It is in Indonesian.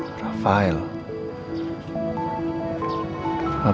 kalo ada yang mau tau